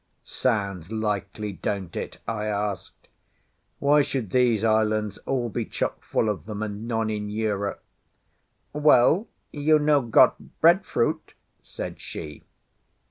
"Sounds likely, don't it?" I asked. "Why would these islands all be chock full of them and none in Europe?" "Well, you no got breadfruit," said she.